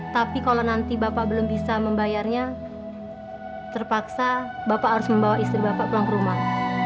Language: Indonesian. tapi kalau nanti bapak belum bisa membayarnya terpaksa bapak harus membawa istri bapak pulang ke rumah